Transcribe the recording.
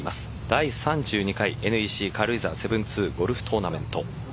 第３２回ＮＥＣ軽井沢７２ゴルフトーナメント。